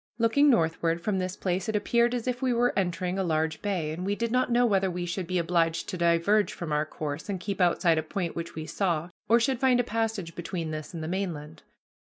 Looking northward from this place it appeared as if we were entering a large bay, and we did not know whether we should be obliged to diverge from our course and keep outside a point which we saw, or should find a passage between this and the mainland.